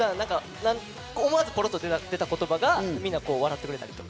思わずポロッと出た言葉にみんな笑ってくれたり。